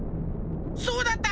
そうだった！